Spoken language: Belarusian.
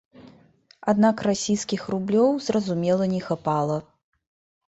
Аднак расійскіх рублёў, зразумела не хапала.